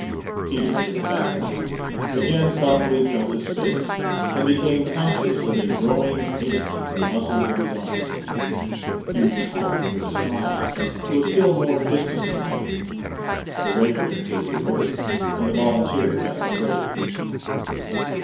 Peter, in the background, again thoughtfully felt his face and became conscious of a growing ache in the muscles of his arms. He retired, with a smile, to a still more distant plane. The regular did the work and the volunteer got the praise.